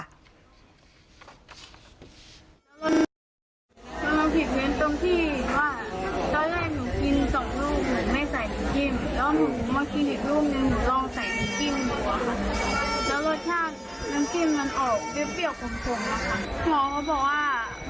ตอนแรกหนูกินสองลูกหรือไม่ใส่น้ำจิ้ม